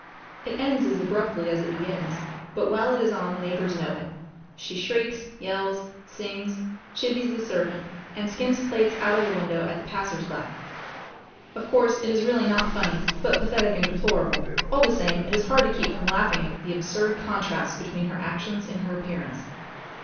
It ends as abruptly as it begins, but while it is on the neighbours know it. She shrieks, yells, sings, chivies the servant, and skims plates out of the window at the passers by. Of course, it is really not funny, but pathetic and deplorable all the same, it is hard to keep from laughing at the absurd contrast between her actions and her appearance.